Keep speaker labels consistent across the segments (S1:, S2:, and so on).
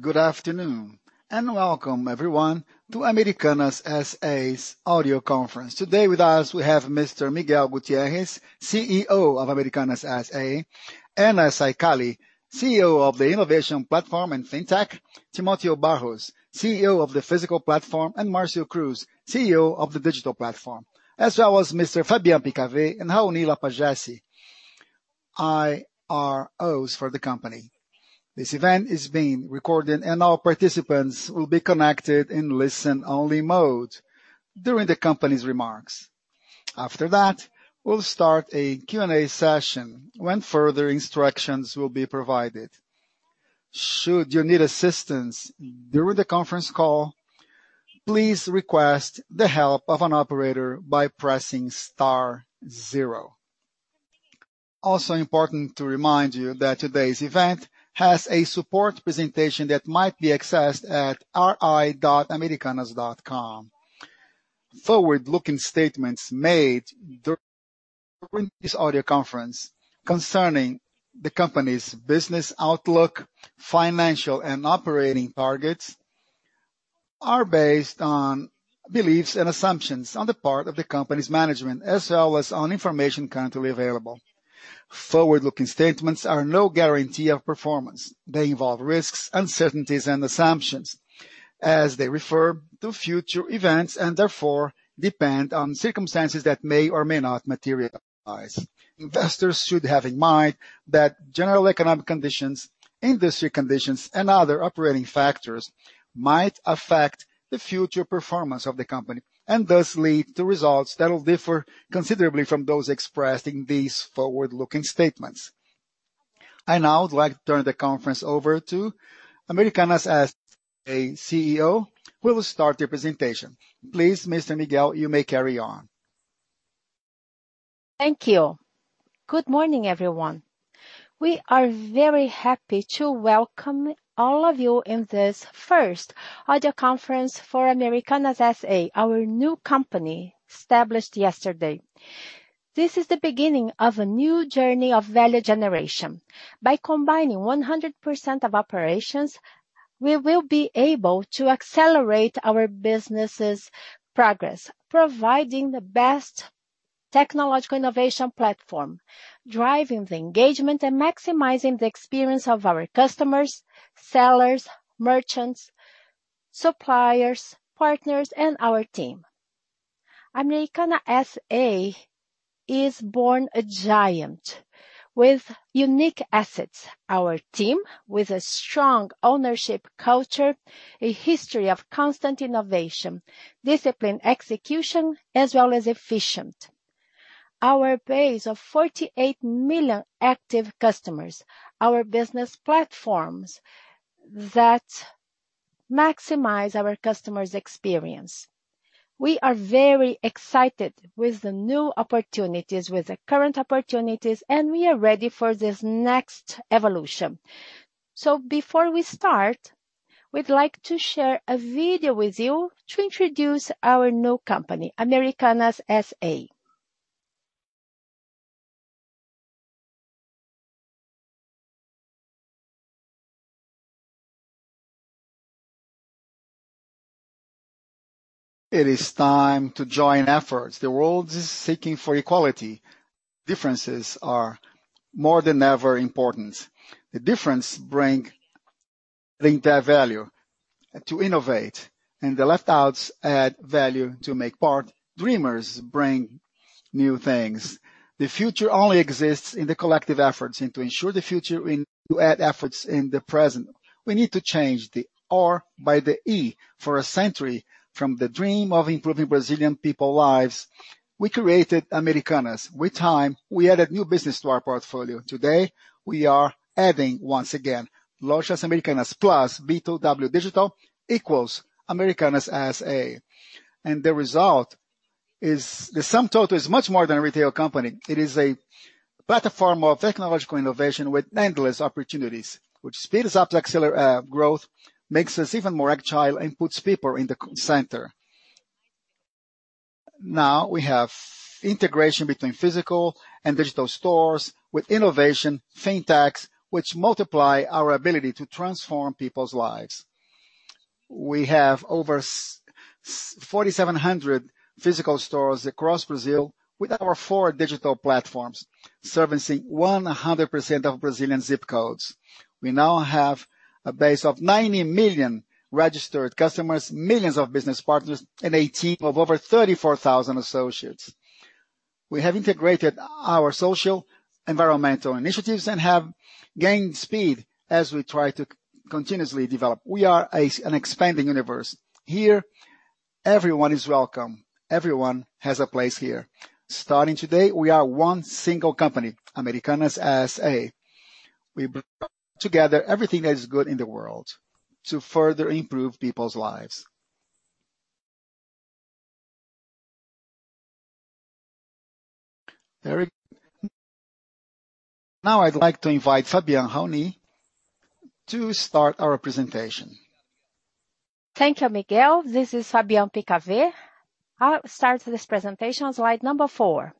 S1: Good afternoon. Welcome everyone to Americanas S.A.'s audio conference. Today with us we have Mr. Miguel Gutierrez, CEO of Americanas S.A., Anna Saicali, CEO of the Innovation Platform and Fintech, Timotheo Barros, CEO of the Physical Platform, and Marcio Cruz, CEO of the Digital Platform, as well as Mr. Fabien Picavet and Raoni Lapagesse, IROs for the company. This event is being recorded and all participants will be connected in listen-only mode during the company's remarks. After that, we'll start a Q&A session when further instructions will be provided. Should you need assistance during the conference call, please request the help of an operator by pressing star zero. Important to remind you that today's event has a support presentation that might be accessed at ri.americanas.com. Forward-looking statements made during this audio conference concerning the company's business outlook, financial, and operating targets are based on beliefs and assumptions on the part of the company's management, as well as on information currently available. Forward-looking statements are no guarantee of performance. They involve risks, uncertainties, and assumptions as they refer to future events and therefore depend on circumstances that may or may not materialize. Investors should have in mind that general economic conditions, industry conditions, and other operating factors might affect the future performance of the company and thus lead to results that will differ considerably from those expressed in these forward-looking statements. I now would like to turn the conference over to Americanas S.A. CEO who will start the presentation. Please, Mr. Miguel, you may carry on.
S2: Thank you. Good morning, everyone. We are very happy to welcome all of you in this first audio conference for Americanas S.A., our new company established yesterday. This is the beginning of a new journey of value generation. By combining 100% of operations, we will be able to accelerate our business' progress, providing the best technological innovation platform, driving the engagement, and maximizing the experience of our customers, sellers, merchants, suppliers, partners, and our team. Americanas S.A. is born a giant with unique assets. Our team with a strong ownership culture, a history of constant innovation, disciplined execution, as well as efficient. Our base of 48 million active customers, our business platforms that maximize our customers' experience. We are very excited with the new opportunities, with the current opportunities, we are ready for this next evolution. Before we start, we'd like to share a video with you to introduce our new company, Americanas S.A.
S3: It is time to join efforts. The world is seeking for equality. Differences are more than ever important. The difference bring their value to innovate, and the left outs add value to make part. Dreamers bring new things. The future only exists in the collective efforts and to ensure the future we add efforts in the present. We need to change the R by the E. For a century, from the dream of improving Brazilian people lives, we created Americanas. With time, we added new business to our portfolio. Today, we are adding once again, Lojas Americanas plus B2W Digital equals Americanas S.A. The result is the sum total is much more than retail company. It is a platform of technological innovation with endless opportunities, which speeds up to accelerate our growth, makes us even more agile, and puts people in the center. Now we have integration between physical and digital stores with innovation, fintechs, which multiply our ability to transform people's lives. We have over 4,700 physical stores across Brazil with our four digital platforms servicing 100% of Brazilian zip codes. We now have a base of 90 million registered customers, millions of business partners, and a team of over 34,000 associates. We have integrated our social, environmental initiatives and have gained speed as we try to continuously develop. We are an expanding universe. Here, everyone is welcome. Everyone has a place here. Starting today, we are one single company, Americanas S.A. We bring together everything that is good in the world to further improve people's lives.
S2: Very good. Now I'd like to invite [Fabien], [Raoni] to start our presentation.
S4: Thank you, Miguel. This is Fabien Picavet. I'll start this presentation on slide number four.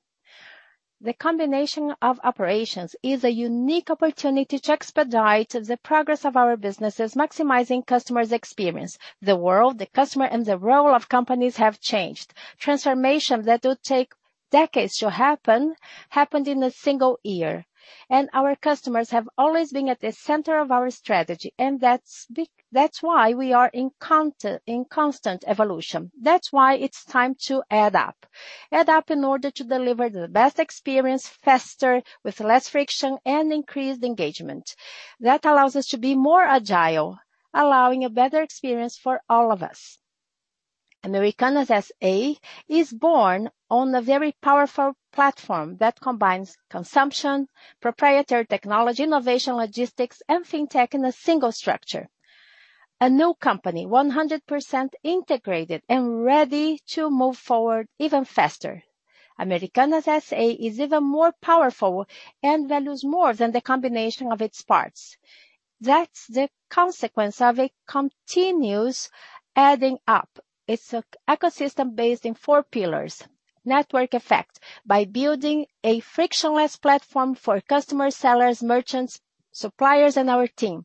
S4: The combination of operations is a unique opportunity to expedite the progress of our businesses, maximizing customers' experience. The world, the customer, the role of companies have changed. Transformations that would take decades to happen, happened in a single year. Our customers have always been at the center of our strategy. That's why we are in constant evolution. That's why it's time to add up. Add up in order to deliver the best experience faster, with less friction and increased engagement. That allows us to be more agile, allowing a better experience for all of us. Americanas S.A. is born on a very powerful platform that combines consumption, proprietary technology, innovation, logistics, and fintech in a single structure. A new company, 100% integrated and ready to move forward even faster. Americanas S.A. is even more powerful and values more than the combination of its parts. That's the consequence of a continuous adding up. It's an ecosystem based in four pillars. Network effect, by building a frictionless platform for customers, sellers, merchants, suppliers, and our team,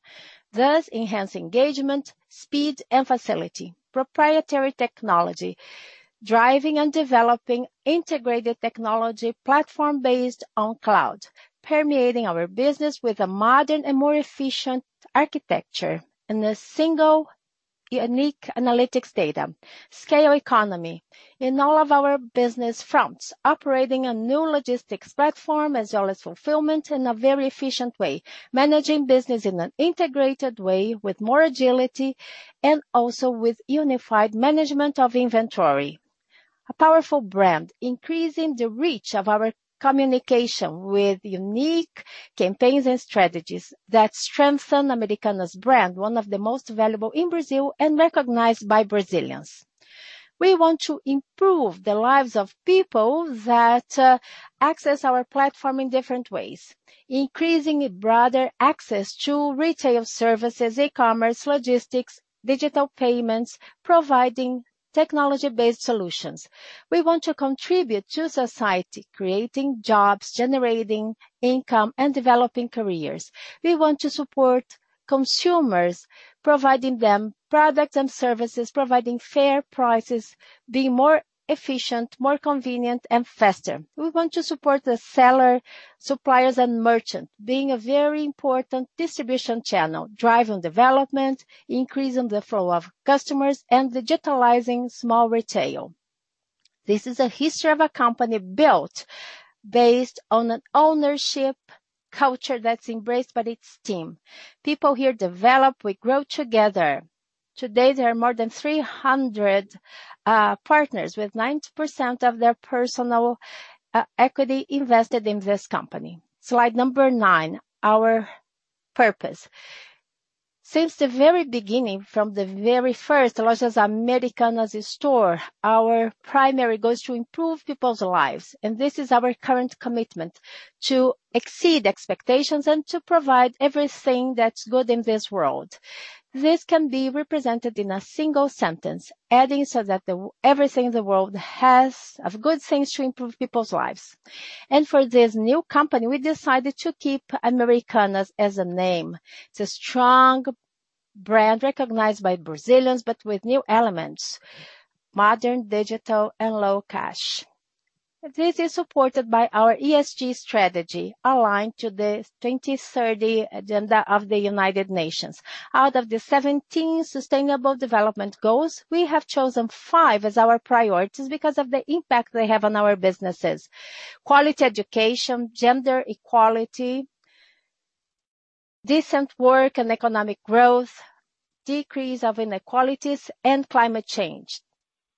S4: thus enhancing engagement, speed, and facility. Proprietary technology, driving and developing integrated technology platform based on cloud, permeating our business with a modern and more efficient architecture in a single unique analytics data. Scale economy in all of our business fronts, operating a new logistics platform as well as fulfillment in a very efficient way, managing business in an integrated way with more agility and also with unified management of inventory. A powerful brand, increasing the reach of our communication with unique campaigns and strategies that strengthen Americanas brand, one of the most valuable in Brazil and recognized by Brazilians. We want to improve the lives of people that access our platform in different ways, increasing a broader access to retail services, e-commerce, logistics, digital payments, providing technology-based solutions. We want to contribute to society, creating jobs, generating income, and developing careers. We want to support consumers, providing them products and services, providing fair prices, being more efficient, more convenient, and faster. We want to support the seller, suppliers, and merchant, being a very important distribution channel, driving development, increasing the flow of customers, and digitalizing small retail. This is a history of a company built based on an ownership culture that's embraced by its team. People here develop, we grow together. Today, there are more than 300 partners with 90% of their personal equity invested in this company. Slide number nine, our purpose. Since the very beginning, from the very first Lojas Americanas store, our primary goal is to improve people's lives, and this is our current commitment. To exceed expectations and to provide everything that's good in this world. This can be represented in a single sentence, adding so that everything in the world has good things to improve people's lives. For this new company, we decided to keep Americanas as a name. It's a strong brand recognized by Brazilians, but with new elements, modern, digital, and low cash. This is supported by our ESG strategy, aligned to the 2030 agenda of the United Nations. Out of the 17 sustainable development goals, we have chosen five as our priorities because of the impact they have on our businesses. Quality education, gender equality, decent work and economic growth, decrease of inequalities, and climate change.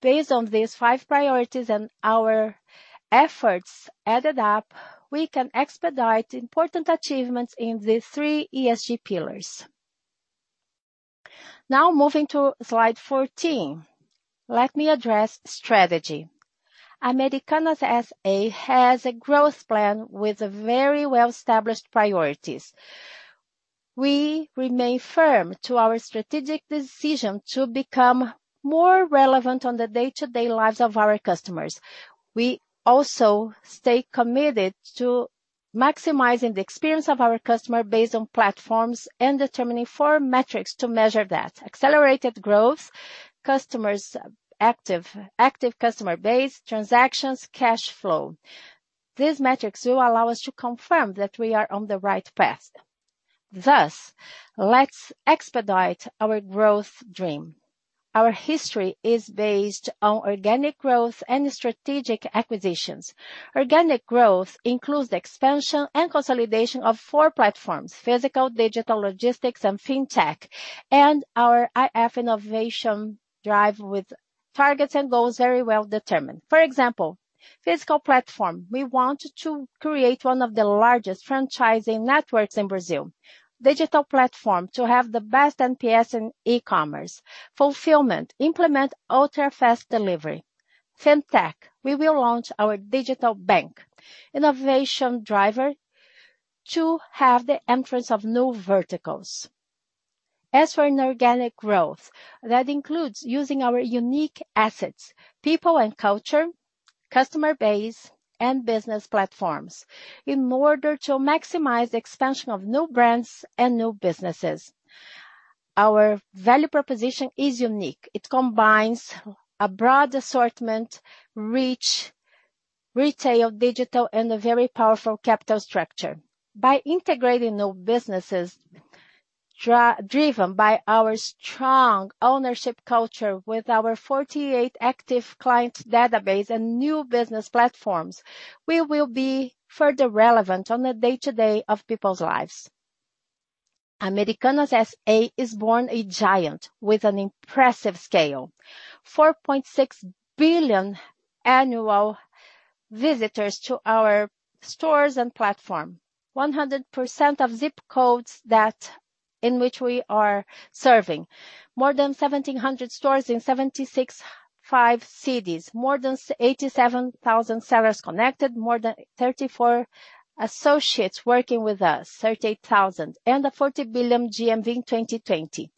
S4: Based on these five priorities and our efforts added up, we can expedite important achievements in the three ESG pillars. Moving to slide 14. Let me address strategy. Americanas S.A. has a growth plan with very well-established priorities. We remain firm to our strategic decision to become more relevant on the day-to-day lives of our customers. We also stay committed to maximizing the experience of our customer based on platforms and determining four metrics to measure that. Accelerated growth, active customer base, transactions, cash flow. These metrics will allow us to confirm that we are on the right path. Let's expedite our growth dream. Our history is based on organic growth and strategic acquisitions. Organic growth includes the expansion and consolidation of four platforms, physical, digital, logistics, and fintech, and our IF innovation drive with targets and goals very well determined. For example, Physical Platform, we want to create one of the largest franchising networks in Brazil. Digital Platform, to have the best NPS in e-commerce. Fulfillment, implement ultra-fast delivery. Fintech, we will launch our digital bank. Innovation driver two, have the entrance of new verticals. As for inorganic growth, that includes using our unique assets, people and culture, customer base, and business platforms in order to maximize the expansion of new brands and new businesses. Our value proposition is unique. It combines a broad assortment, rich retail, digital, and a very powerful capital structure. By integrating new businesses driven by our strong ownership culture with our 48 active client database and new business platforms, we will be further relevant on a day-to-day of people's lives. Americanas S.A. is born a giant with an impressive scale, 4.6 billion annual visitors to our stores and platform, 100% of zip codes that in which we are serving, more than 1,700 stores in 765 cities, more than 87,000 sellers connected, more than 38,000 associates working with us, and a 40 billion GMV in 2020.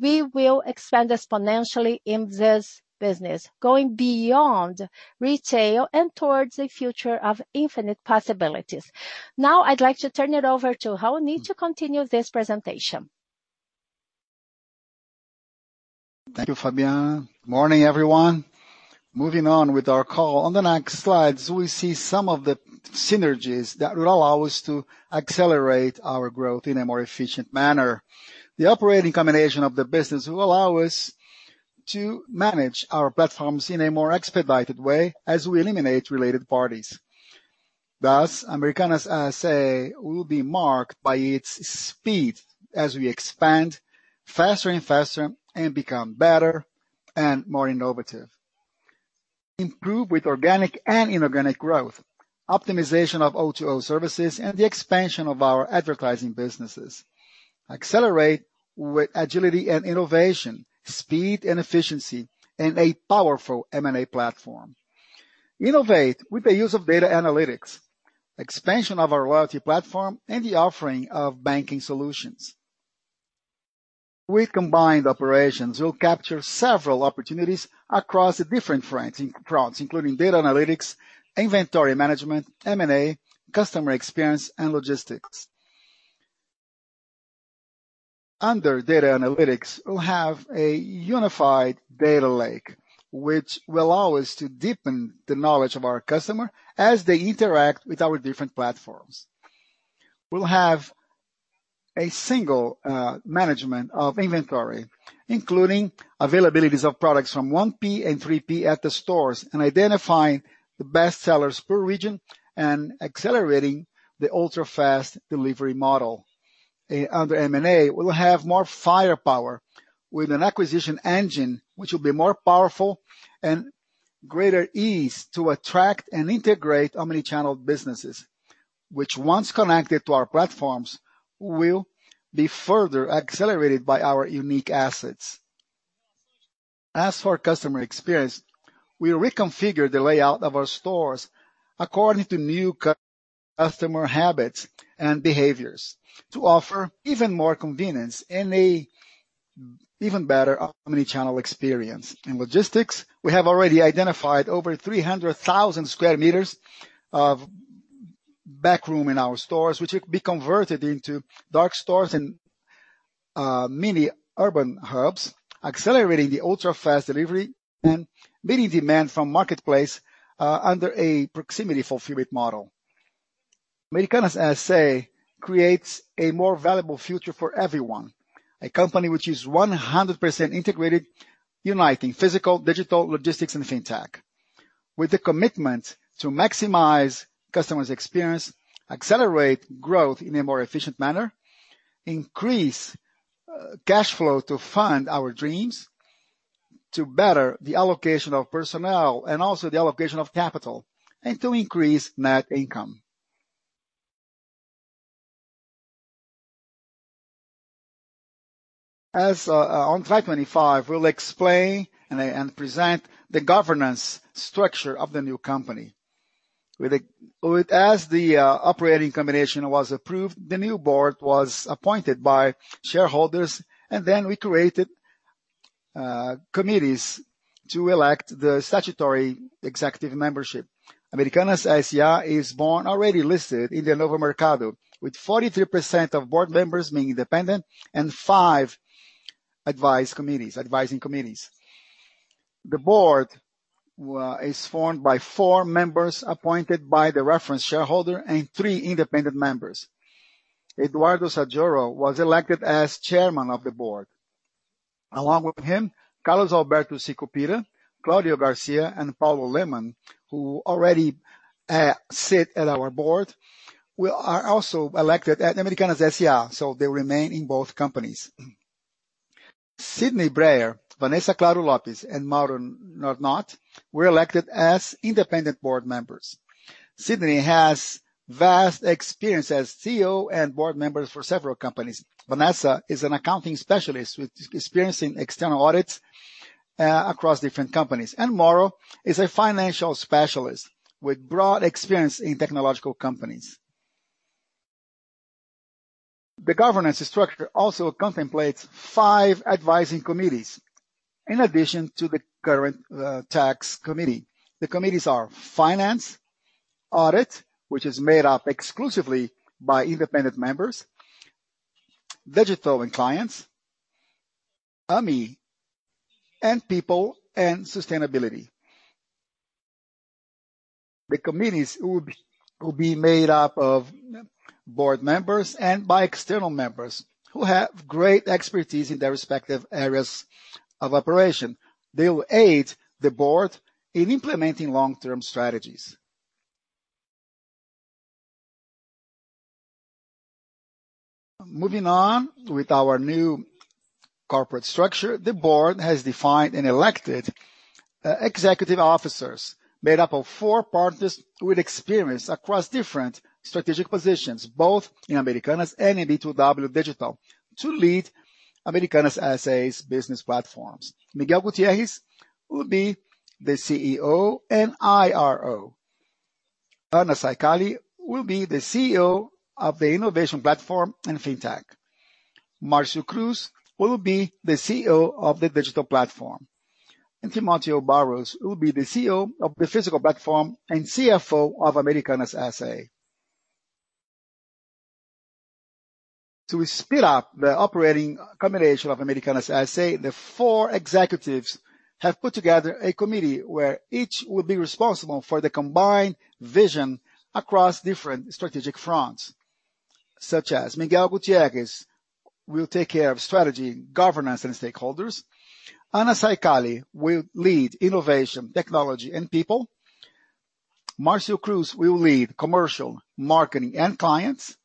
S4: We will expand exponentially in this business, going beyond retail and towards a future of infinite possibilities. Now I'd like to turn it over to Raoni to continue this presentation.
S5: Thank you, Fabien. Morning, everyone. Moving on with our call. On the next slides, we see some of the synergies that allow us to accelerate our growth in a more efficient manner. The operating combination of the business will allow us to manage our platforms in a more expedited way as we eliminate related parties. Thus, Americanas S.A. will be marked by its speed as we expand faster and faster and become better and more innovative. Improve with organic and inorganic growth, optimization of O2O services, and the expansion of our advertising businesses. Accelerate with agility and innovation, speed and efficiency, and a powerful M&A platform. Innovate with the use of data analytics, expansion of our loyalty platform, and the offering of banking solutions. With combined operations, we'll capture several opportunities across the different fronts, including data analytics, inventory management, M&A, customer experience, and logistics. Under data analytics, we'll have a unified data lake, which will allow us to deepen the knowledge of our customer as they interact with our different platforms. We'll have a single management of inventory, including availabilities of products from 1P and 3P at the stores and identifying the best sellers per region and accelerating the ultra-fast delivery model. Under M&A, we'll have more firepower with an acquisition engine, which will be more powerful and greater ease to attract and integrate omni-channel businesses, which once connected to our platforms, will be further accelerated by our unique assets. As for customer experience, we reconfigure the layout of our stores according to new customer habits and behaviors to offer even more convenience and an even better omni-channel experience. In logistics, we have already identified over 300,000 sq m of backroom in our stores, which will be converted into dark stores and mini urban hubs, accelerating the ultra-fast delivery and meeting demand from marketplace under a proximity fulfillment model. Americanas S.A. creates a more valuable future for everyone, a company which is 100% integrated, uniting physical, digital, logistics, and fintech. With the commitment to maximize customers' experience, accelerate growth in a more efficient manner, increase cash flow to fund our dreams, to better the allocation of personnel and also the allocation of capital, and to increase net income. On slide 25, we'll explain and present the governance structure of the new company. As the operating combination was approved, the new board was appointed by shareholders, and then we created committees to elect the statutory executive membership. Americanas S.A. is born already listed in the Novo Mercado, with 43% of board members being independent and five advising committees. The board is formed by four members appointed by the reference shareholder and three independent members. Eduardo Saggioro was elected as Chairman of the Board. Along with him, Carlos Alberto Sicupira, Claudio Garcia, and Paulo Lemann, who already sit at our board, were also elected at Americanas S.A., so they remain in both companies. Sidney Breyer, Vanessa Claro Lopes, and Mauro [Not] were elected as independent board members. Sidney has vast experience as CEO and board member for several companies. Vanessa is an accounting specialist with experience in external audits across different companies. Mauro is a financial specialist with broad experience in technological companies. The governance structure also contemplates five advising committees, in addition to the current tax committee. The committees are finance, audit, which is made up exclusively by independent members, digital and clients, Ame, and people and sustainability. The committees will be made up of board members and by external members who have great expertise in their respective areas of operation. They will aid the board in implementing long-term strategies. Moving on with our new corporate structure, the board has defined and elected executive officers made up of four parties with experience across different strategic positions, both in Americanas and in B2W Digital, to lead Americanas S.A.'s business platforms. Miguel Gutierrez will be the CEO and IRO. Anna Saicali will be the CEO of the Innovation Platform and Fintech. Marcio Cruz will be the CEO of the Digital Platform. [Timotheo] Barros will be the CEO of the Physical Platform and CFO of Americanas S.A. To speed up the operating combination of Americanas S.A., the four executives have put together a committee where each will be responsible for the combined vision across different strategic fronts, such as Miguel Gutierrez will take care of strategy, governance, and stakeholders. Anna Saicali will lead innovation, technology, and people. Marcio Cruz will lead commercial, marketing, and clients.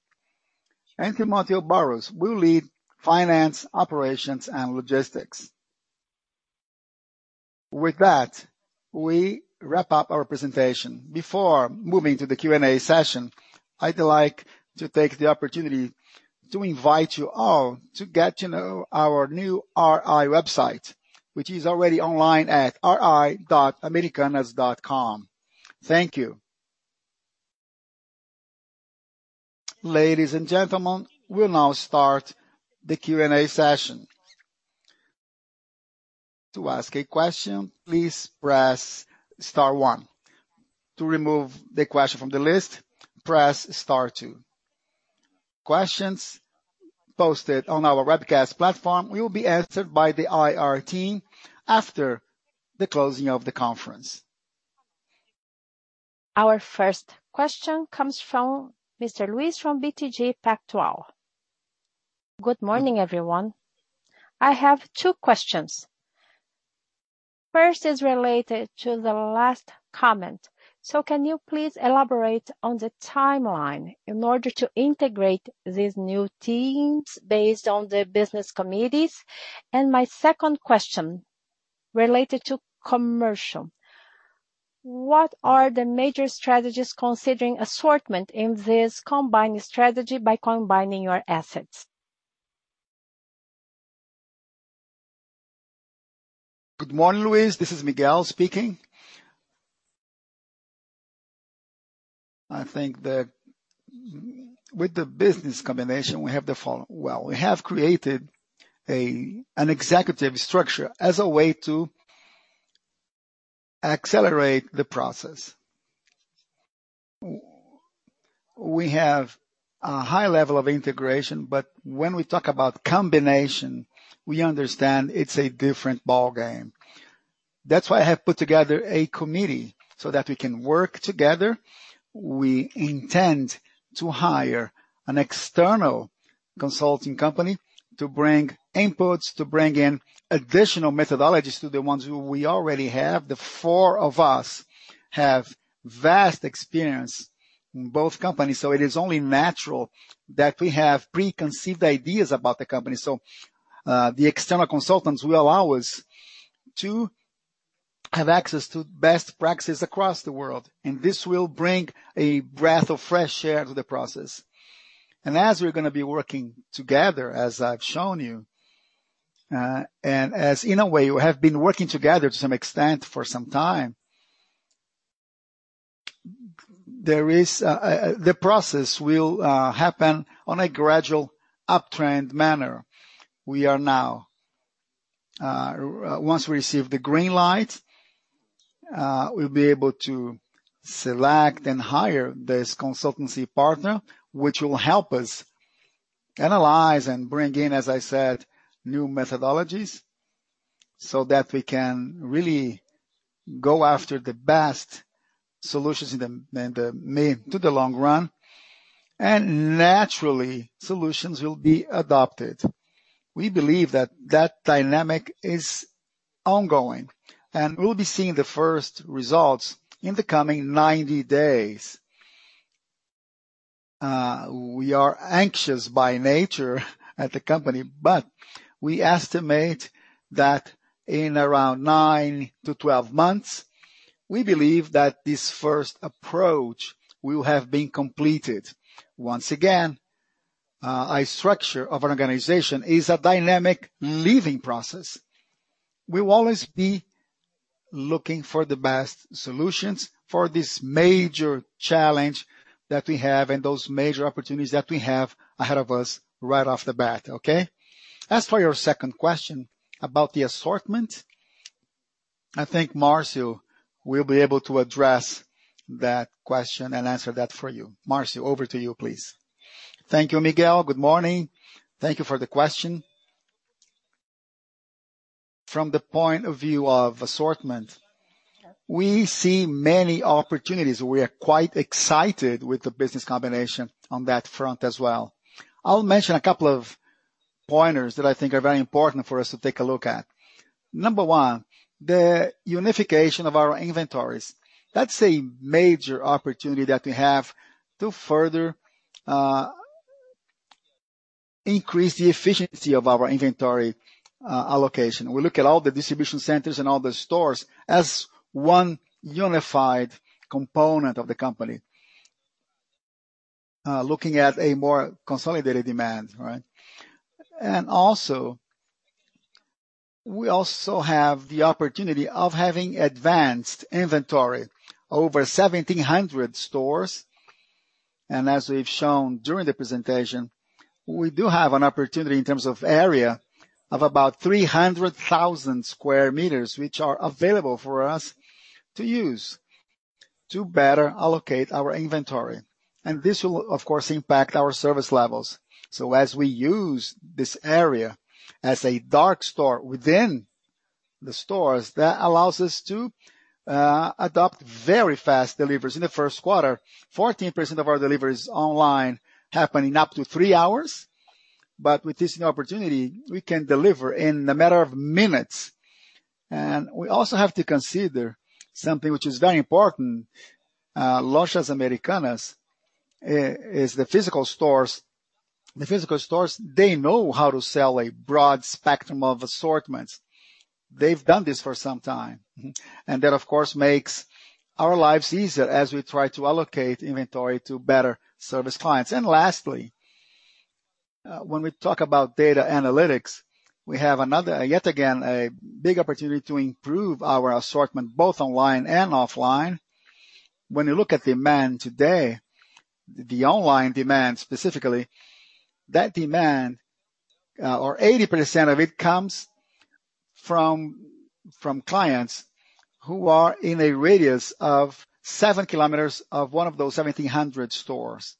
S5: Timotheo Barros will lead finance, operations, and logistics. With that, we wrap up our presentation. Before moving to the Q&A session, I'd like to take the opportunity to invite you all to get to know our new RI website, which is already online at ri.americanas.com. Thank you.
S1: Ladies and gentlemen, we'll now start the Q&A session. To ask a question, please press star one. To remove the question from the list, press star two. Questions posted on our webcast platform will be answered by the IR team after the closing of the conference. Our first question comes from Mr. Luiz from BTG Pactual.
S6: Good morning, everyone. I have two questions. First is related to the last comment. Can you please elaborate on the timeline in order to integrate these new teams based on the business committees? My second question, related to commercial. What are the major strategies considering assortment in this combined strategy by combining your assets?
S2: Good morning, Luiz. This is Miguel Gutierrez speaking. I think that with the business combination, we have the follow. Well, we have created an executive structure as a way to accelerate the process. We have a high level of integration, but when we talk about combination, we understand it's a different ballgame. That's why I have put together a committee so that we can work together. We intend to hire an external consulting company to bring inputs, to bring in additional methodologies to the ones we already have. The four of us have vast experience in both companies. It is only natural that we have preconceived ideas about the company. The external consultants will allow us to have access to best practices across the world, and this will bring a breath of fresh air to the process. As we're going to be working together, as I've shown you, and as in a way, we have been working together to some extent for some time. The process will happen on a gradual uptrend manner. Once we receive the green light, we'll be able to select and hire this consultancy partner, which will help us analyze and bring in, as I said, new methodologies so that we can really go after the best solutions in the mid to the long run, and naturally, solutions will be adopted. We believe that that dynamic is ongoing, and we'll be seeing the first results in the coming 90 days. We are anxious by nature at the company, but we estimate that in around 9-12 months, we believe that this first approach will have been completed. Once again, a structure of organization is a dynamic, living process. We will always be looking for the best solutions for this major challenge that we have and those major opportunities that we have ahead of us right off the bat. Okay? As for your second question about the assortment, I think Marcio will be able to address that question and answer that for you. Marcio, over to you, please.
S7: Thank you, Miguel. Good morning. Thank you for the question. From the point of view of assortment, we see many opportunities. We are quite excited with the business combination on that front as well. I'll mention a couple of pointers that I think are very important for us to take a look at. Number one, the unification of our inventories. That's a major opportunity that we have to further increase the efficiency of our inventory allocation. We look at all the distribution centers and all the stores as one unified component of the company looking at a more consolidated demand, right? We also have the opportunity of having advanced inventory over 1,700 stores. As we've shown during the presentation, we do have an opportunity in terms of area of about 300,000 sq m, which are available for us to use to better allocate our inventory. This will, of course, impact our service levels. As we use this area as a dark store within the stores, that allows us to adopt very fast deliveries. In the first quarter, 14% of our deliveries online happen in up to three hours. With this new opportunity, we can deliver in a matter of minutes. We also have to consider something which is very important, Lojas Americanas is the physical stores. The physical stores, they know how to sell a broad spectrum of assortments. They've done this for some time, and that, of course, makes our lives easier as we try to allocate inventory to better service clients. Lastly, when we talk about data analytics, we have yet again a big opportunity to improve our assortment, both online and offline. When you look at demand today, the online demand specifically, that demand or 80% of it comes from clients who are in a radius of 7 km of one of those 1,700 stores.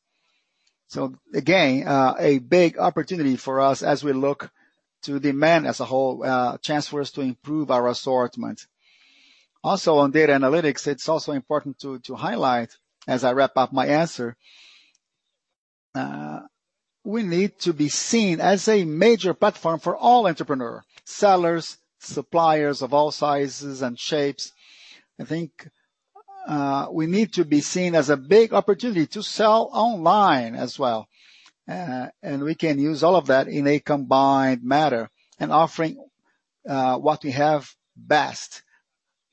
S7: Again a big opportunity for us as we look to demand as a whole, a chance for us to improve our assortment. Also on data analytics, it's also important to highlight as I wrap up my answer, we need to be seen as a major platform for all entrepreneur, sellers, suppliers of all sizes and shapes. I think we need to be seen as a big opportunity to sell online as well. We can use all of that in a combined manner and offering what we have best.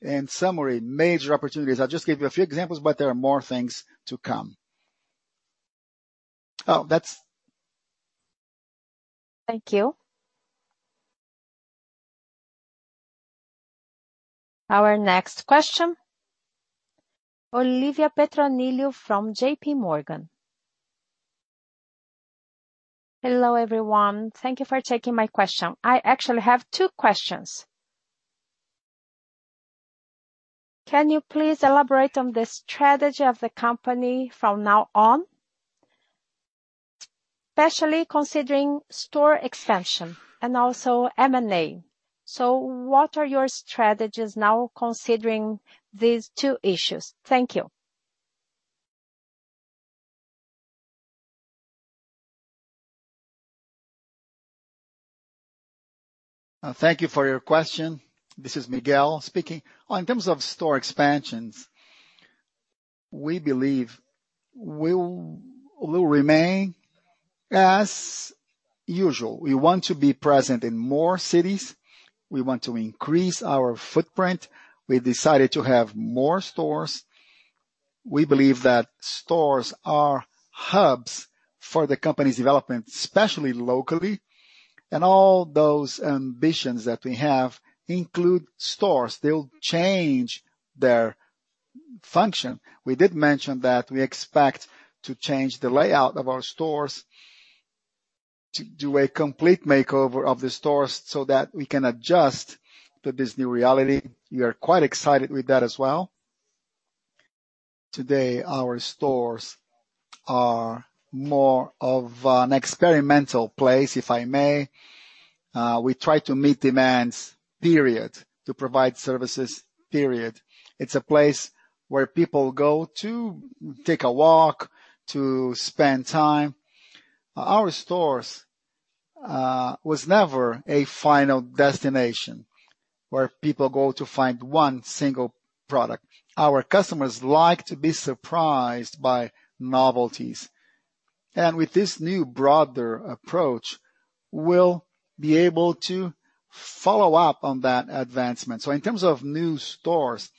S7: In summary, major opportunities. I'll just give you a few examples, but there are more things to come.
S1: Thank you. Our next question, Olivia Petronilho from JPMorgan.
S8: Hello, everyone. Thank you for taking my question. I actually have two questions. Can you please elaborate on the strategy of the company from now on, especially considering store expansion and also M&A? What are your strategies now considering these two issues? Thank you.
S2: Thank you for your question. This is Miguel speaking. In terms of store expansions, we believe will remain as usual. We want to be present in more cities. We want to increase our footprint. We decided to have more stores. We believe that stores are hubs for the company's development, especially locally. All those ambitions that we have include stores. They'll change their function. We did mention that we expect to change the layout of our stores, to do a complete makeover of the stores so that we can adjust to this new reality. We are quite excited with that as well. Today, our stores are more of an experimental place, if I may. We try to meet demands. To provide services. It's a place where people go to take a walk, to spend time. Our stores was never a final destination where people go to find one single product. Our customers like to be surprised by novelties. With this new broader approach, we'll be able to follow up on that advancement. In terms of new stores,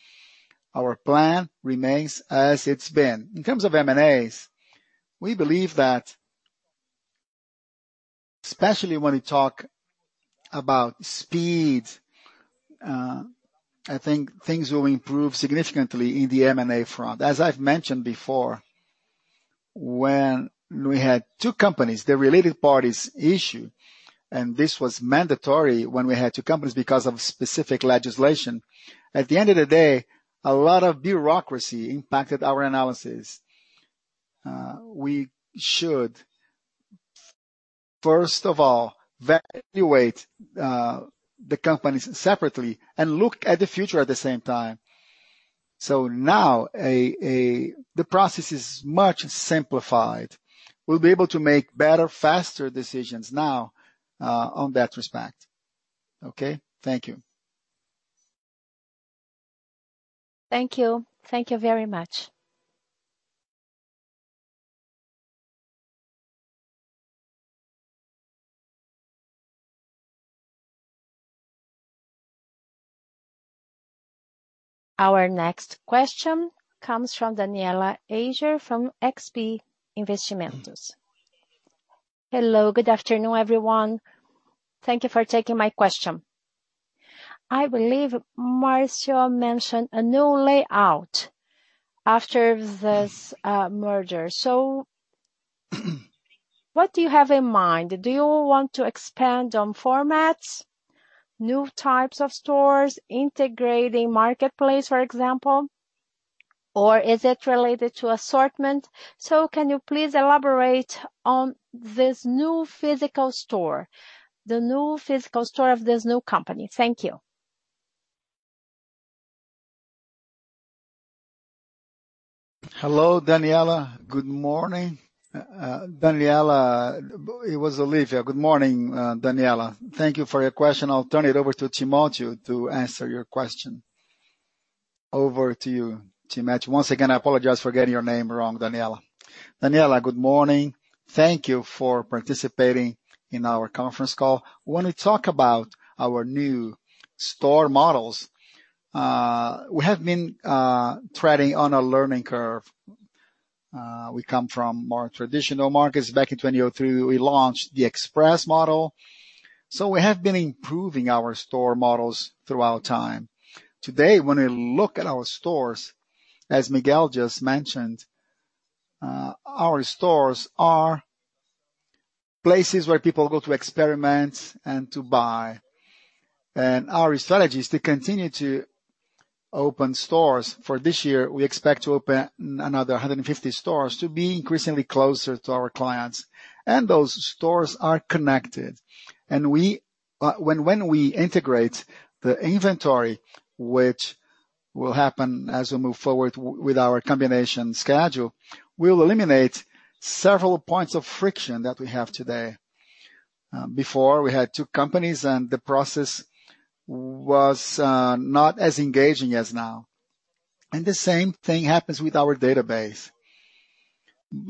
S2: our plan remains as it's been. In terms of M&As, we believe that. Especially when we talk about speed, I think things will improve significantly in the M&A front. As I've mentioned before, when we had two companies, the related parties issue, and this was mandatory when we had two companies because of specific legislation. At the end of the day, a lot of bureaucracy impacted our analysis. We should, first of all, evaluate the companies separately and look at the future at the same time. Now the process is much simplified. We'll be able to make better, faster decisions now on that respect. Okay. Thank you.
S8: Thank you. Thank you very much.
S1: Our next question comes from Danniela Eiger from XP Investimentos.
S9: Hello, good afternoon, everyone. Thank you for taking my question. I believe Marcio mentioned a new layout after this merger. What do you have in mind? Do you want to expand on formats, new types of stores, integrating marketplace, for example, or is it related to assortment? Can you please elaborate on this new physical store of this new company? Thank you.
S2: Hello, Danniela. Good morning. Danniela, it was Olivia. Good morning, Danniela. Thank you for your question. I'll turn it over to Timotheo to answer your question. Over to you, Timotheo. Once again, I apologize for getting your name wrong, Danniela.
S10: Danniela, good morning. Thank you for participating in our conference call. When we talk about our new store models, we have been treading on a learning curve. We come from more traditional markets. Back in 2003, we launched the Express model. We have been improving our store models throughout time. Today, when we look at our stores, as Miguel just mentioned, our stores are places where people go to experiment and to buy, and our strategy is to continue to open stores. For this year, we expect to open another 150 stores to be increasingly closer to our clients, and those stores are connected. When we integrate the inventory, which will happen as we move forward with our combination schedule, we'll eliminate several points of friction that we have today. Before we had two companies and the process was not as engaging as now. The same thing happens with our database.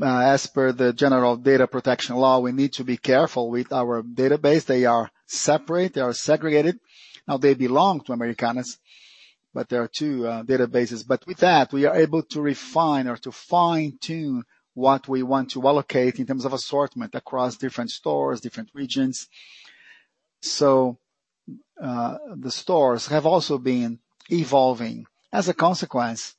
S10: As per the general data protection law, we need to be careful with our database. They are separate. They are segregated. Now they belong to Americanas, there are two databases. With that, we are able to refine or to fine-tune what we want to allocate in terms of assortment across different stores, different regions. The stores have also been evolving. As a consequence,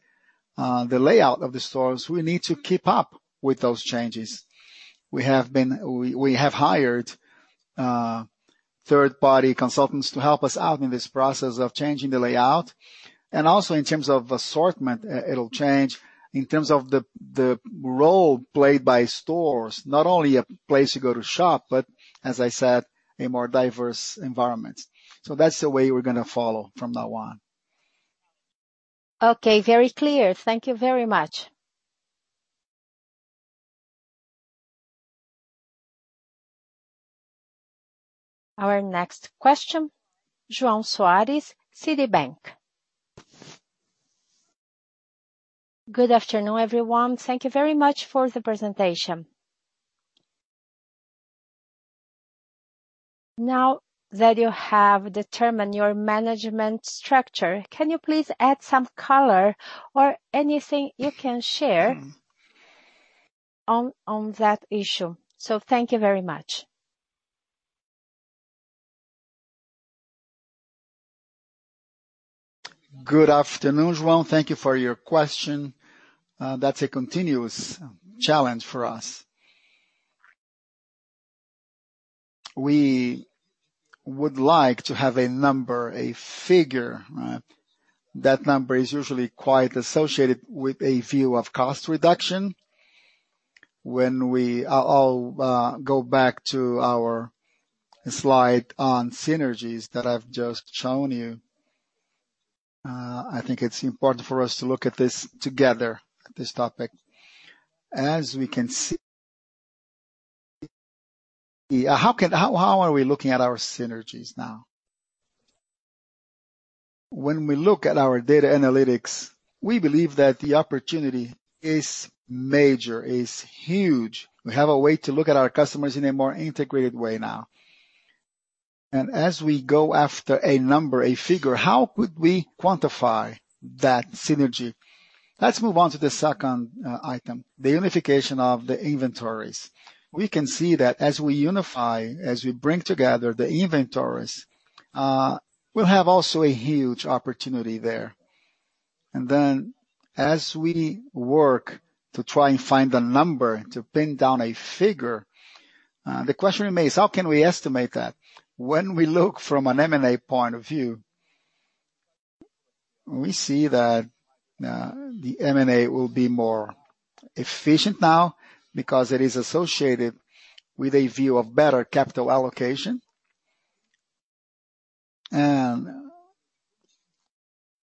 S10: the layout of the stores, we need to keep up with those changes. We have hired third-party consultants to help us out in this process of changing the layout and also in terms of assortment, it'll change in terms of the role played by stores. Not only a place you go to shop but as I said, a more diverse environment. That's the way we're going to follow from now on.
S9: Okay. Very clear. Thank you very much.
S1: Our next question, João Soares, Citibank.
S11: Good afternoon, everyone. Thank you very much for the presentation. Now that you have determined your management structure, can you please add some color or anything you can share on that issue? Thank you very much.
S7: Good afternoon, João. Thank you for your question. That's a continuous challenge for us. We would like to have a number, a figure. That number is usually quite associated with a view of cost reduction. I'll go back to our slide on synergies that I've just shown you. I think it's important for us to look at this together, at this topic. As we can see, how are we looking at our synergies now? When we look at our data analytics, we believe that the opportunity is major, is huge. We have a way to look at our customers in a more integrated way now. As we go after a number, a figure, how could we quantify that synergy? Let's move on to the second item, the unification of the inventories. We can see that as we unify, as we bring together the inventories, we'll have also a huge opportunity there. Then as we work to try and find a number to pin down a figure, the question remains, how can we estimate that? When we look from an M&A point of view, we see that the M&A will be more efficient now because it is associated with a view of better capital allocation.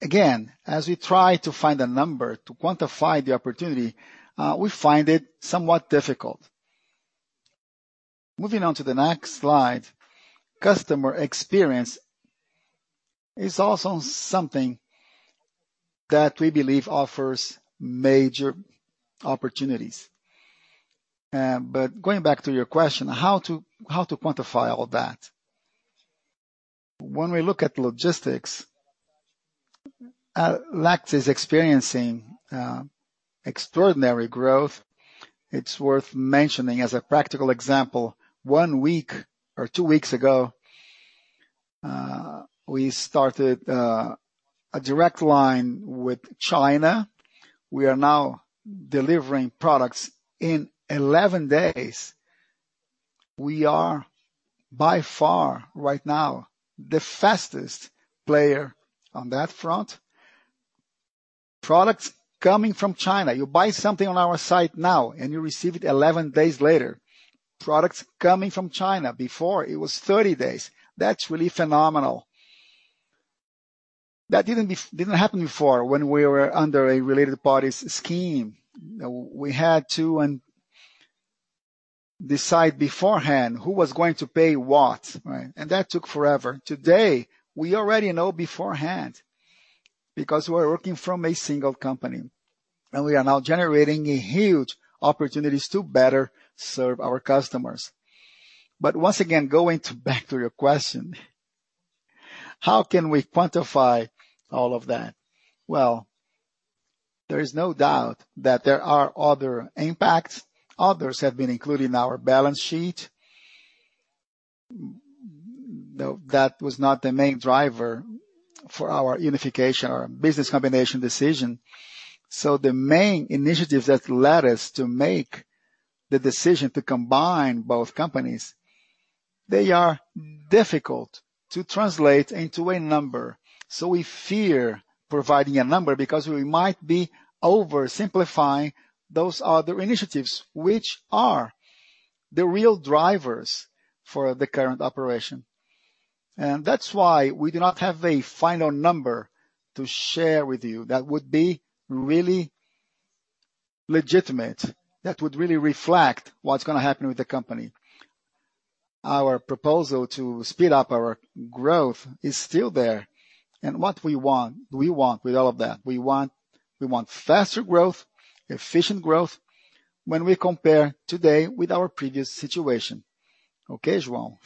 S7: Again, as we try to find a number to quantify the opportunity, we find it somewhat difficult. Moving on to the next slide. Customer experience is also something that we believe offers major opportunities. Going back to your question, how to quantify all that? When we look at logistics, [LET'S] is experiencing extraordinary growth. It's worth mentioning as a practical example, one week or two weeks ago, we started a direct line with China. We are now delivering products in 11 days. We are by far right now the fastest player on that front. Products coming from China, you buy something on our site now, and you receive it 11 days later. Products coming from China, before, it was 30 days. That's really phenomenal. That didn't happen before when we were under a related parties scheme. We had to decide beforehand who was going to pay what.
S11: Right.
S7: That took forever. Today, we already know beforehand because we're working from a single company, and we are now generating huge opportunities to better serve our customers. Once again, going back to your question, how can we quantify all of that? Well, there is no doubt that there are other impacts. Others have been included in our balance sheet, though that was not the main driver for our unification or business combination decision. The main initiatives that led us to make the decision to combine both companies, they are difficult to translate into a number. We fear providing a number because we might be oversimplifying those other initiatives, which are the real drivers for the current operation. That's why we do not have a final number to share with you that would be really legitimate, that would really reflect what's going to happen with the company. Our proposal to speed up our growth is still there. What we want with all of that? We want faster growth, efficient growth when we compare today with our previous situation. Okay, João?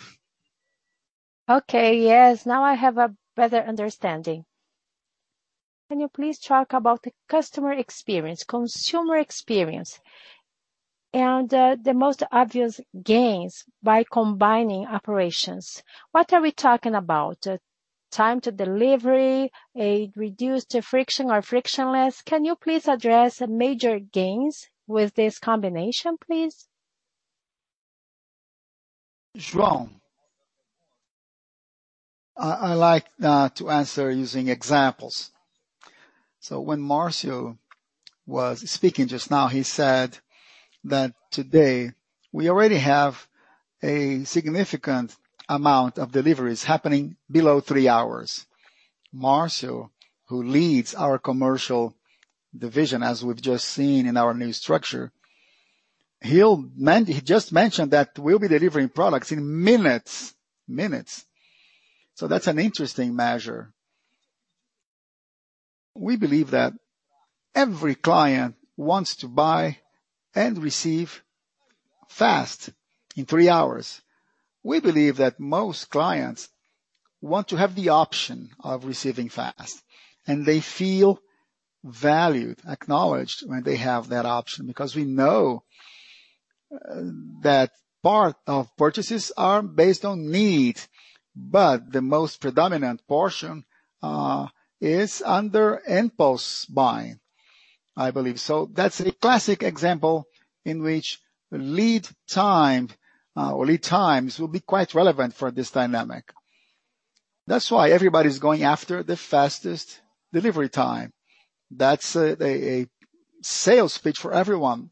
S11: Okay. Yes, now I have a better understanding. Can you please talk about the customer experience, consumer experience, and the most obvious gains by combining operations? What are we talking about? Time to delivery, a reduced friction or frictionless? Can you please address major gains with this combination, please?
S2: João, I like to answer using examples. When Marcio was speaking just now, he said that today we already have a significant amount of deliveries happening below three hours. Marcio, who leads our commercial division, as we've just seen in our new structure, he just mentioned that we'll be delivering products in minutes. That's an interesting measure. We believe that every client wants to buy and receive fast, in three hours. We believe that most clients want to have the option of receiving fast, and they feel valued, acknowledged when they have that option. We know that part of purchases are based on need, but the most predominant portion is under impulse buy, I believe. That's a classic example in which lead time or lead times will be quite relevant for this dynamic. That's why everybody's going after the fastest delivery time. That's a sales pitch for everyone.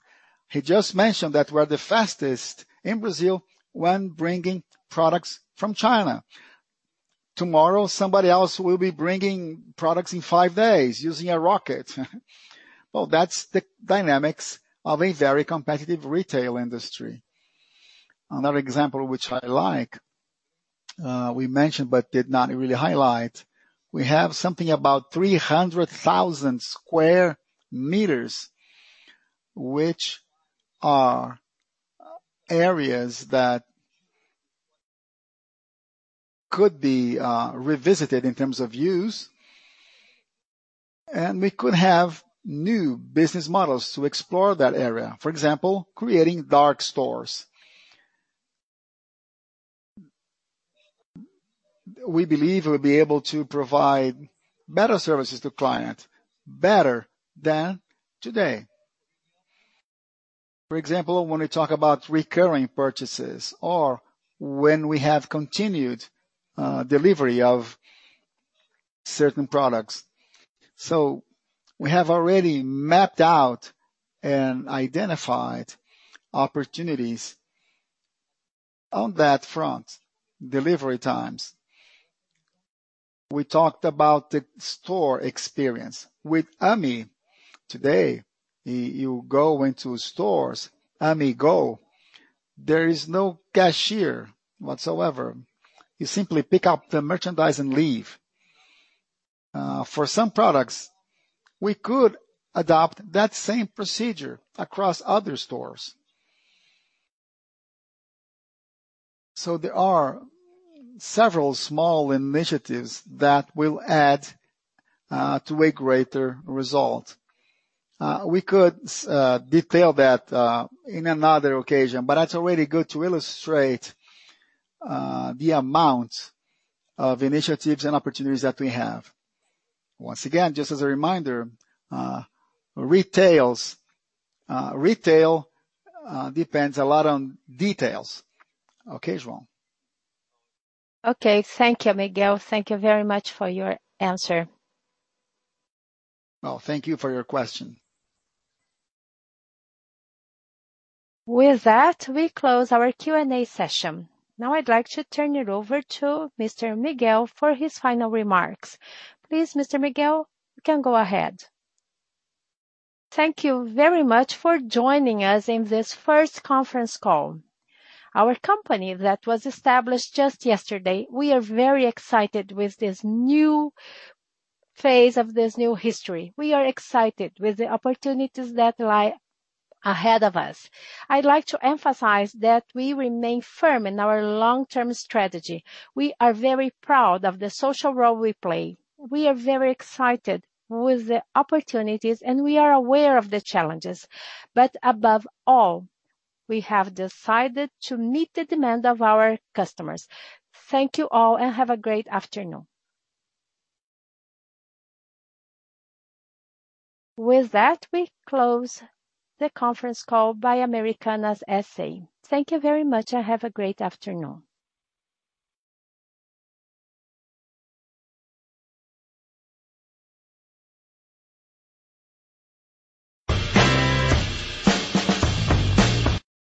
S2: He just mentioned that we're the fastest in Brazil when bringing products from China. Tomorrow, somebody else will be bringing products in five days using a rocket. Well, that's the dynamics of a very competitive retail industry. Another example which I like, we mentioned but did not really highlight, we have something about 300,000 sq m, which are areas that could be revisited in terms of use, and we could have new business models to explore that area. For example, creating dark stores. We believe we'll be able to provide better services to clients, better than today. For example, when we talk about recurring purchases or when we have continued delivery of certain products. We have already mapped out and identified opportunities on that front. Delivery times. We talked about the store experience. With Ame today, you go into stores, Ame Go, there is no cashier whatsoever. You simply pick up the merchandise and leave. For some products, we could adopt that same procedure across other stores. There are several small initiatives that will add to a greater result. We could detail that in another occasion, but that's really good to illustrate the amount of initiatives and opportunities that we have. Once again, just as a reminder, retail depends a lot on details. Okay, João?
S11: Okay. Thank you, Miguel. Thank you very much for your answer.
S2: No, thank you for your question.
S1: With that, we close our Q&A session. Now I'd like to turn it over to Mr. Miguel for his final remarks. Please, Mr. Miguel, you can go ahead.
S2: Thank you very much for joining us in this first conference call. Our company that was established just yesterday, we are very excited with this new phase of this new history. We are excited with the opportunities that lie ahead of us. I'd like to emphasize that we remain firm in our long-term strategy. We are very proud of the social role we play. We are very excited with the opportunities, and we are aware of the challenges. Above all, we have decided to meet the demand of our customers. Thank you all, and have a great afternoon.
S1: With that, we close the conference call by Americanas S.A. Thank you very much, and have a great afternoon.